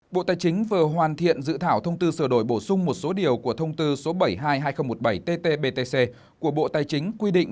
bộ tài chính vừa hoàn thiện dự thảo thông tư sửa đổi bổ sung một số điều của thông tư số bảy mươi hai hai nghìn một mươi bảy tt btc của bộ tài chính quy định